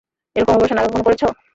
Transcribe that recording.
এরকম অপারেশন আগে কখনও করেছ?